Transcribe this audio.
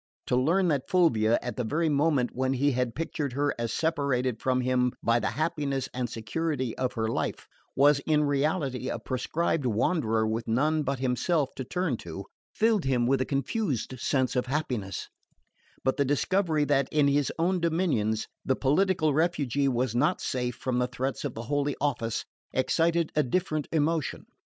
To learn that Fulvia, at the very moment when he had pictured her as separated from him by the happiness and security of her life, was in reality a proscribed wanderer with none but himself to turn to, filled him with a confused sense of happiness; but the discovery that, in his own dominions, the political refugee was not safe from the threats of the Holy Office, excited a different emotion.